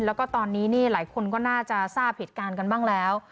แล้วก็ตอนนี้นี่หลายคนก็น่าจะทราบเหตุการณ์กันบ้างแล้ว